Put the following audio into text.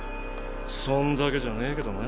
そんだけじゃねぇけどな。